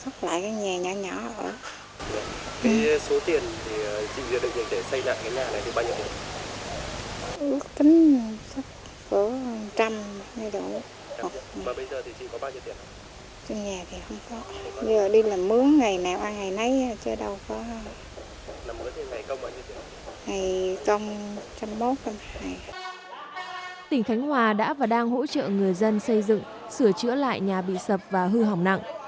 tỉnh khánh hòa đã và đang hỗ trợ người dân xây dựng sửa chữa lại nhà bị sập và hư hỏng nặng